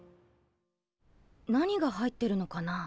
何が入ってるのかな。